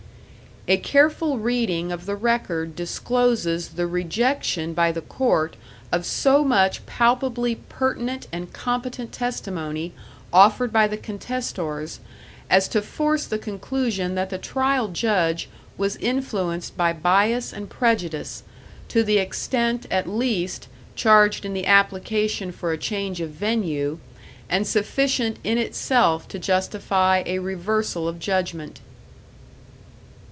"A careful reading of the record discloses the rejection by the court of so much palpably pertinent and competent testimony offered by the contestors, as to force the conclusion that the trial judge was influenced by bias and prejudice, to the extent at least, charged in the application for a change of venue, and sufficient in itself to justify a reversal of judgment....